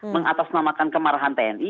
mengatasnamakan kemarahan tni